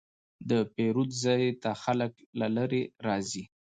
د پیرود ځای ته خلک له لرې راځي.